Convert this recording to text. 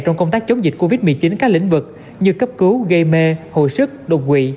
trong công tác chống dịch covid một mươi chín các lĩnh vực như cấp cứu gây mê hồi sức đột quỵ